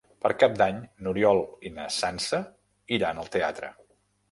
Per Cap d'Any n'Oriol i na Sança iran al teatre.